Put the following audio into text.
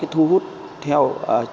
thu hút theo